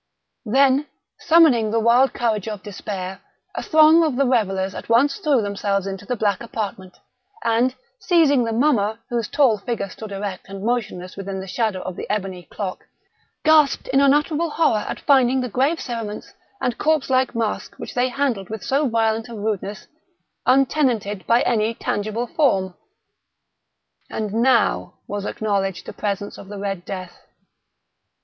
Then, summoning the wild courage of despair, a throng of the revellers at once threw themselves into the black apartment, and, seizing the mummer, whose tall figure stood erect and motionless within the shadow of the ebony clock, gasped in unutterable horror at finding the grave cerements and corpse like mask which they handled with so violent a rudeness, untenanted by any tangible form. And now was acknowledged the presence of the Red Death.